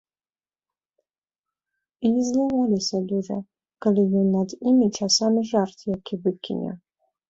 І не злаваліся дужа, калі ён над імі часамі жарт які выкіне.